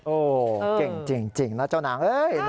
โอ้เก่งจริงนะเจ้านาง